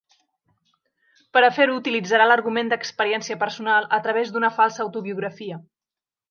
Per a fer-ho, utilitzarà l'argument d'experiència personal a través d'una falsa autobiografia.